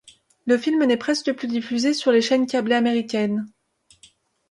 Le film n'est presque plus diffusé sur les chaînes câblées américaines.